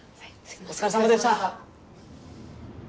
お疲れさまでした。